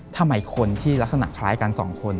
ทำไมคนที่ลักษณะคล้ายกันสองคน